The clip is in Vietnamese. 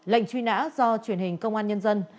lệnh truy nã do truyền hình công an nhân dân